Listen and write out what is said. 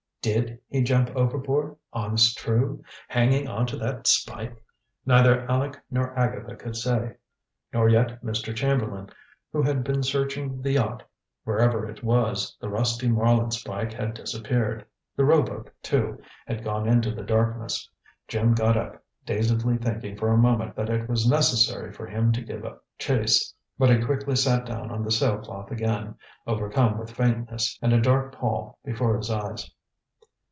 "Did he jump overboard, honest true, hanging on to that spike?" Neither Aleck nor Agatha could say, nor yet Mr. Chamberlain, who had been searching the yacht. Wherever it was, the rusty marlinespike had disappeared. The rowboat, too, had gone into the darkness. Jim got up, dazedly thinking for a moment that it was necessary for him to give chase, but he quickly sat down on the sail cloth again, overcome with faintness and a dark pall before his eyes.